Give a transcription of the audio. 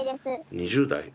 ２０代。